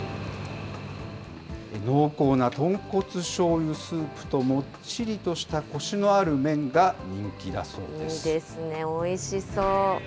濃厚な豚骨しょうゆスープともっちりとしたコシのある麺が人いいですね、おいしそう。